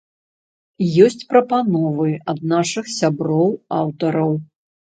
Ёсць прапановы ад нашых сяброў-аўтараў.